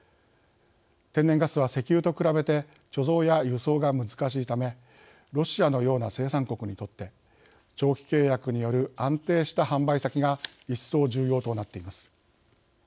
天然ガスは石油と比べて貯蔵や輸送が難しいためロシアのような生産国にとって長期契約による安定した販売先が一層、重要となっています。